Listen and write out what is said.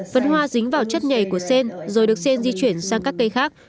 phần hoa dính vào chất nhảy của sen rồi được sen di chuyển sang các cây khác